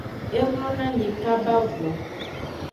E mlonanyi kaba go.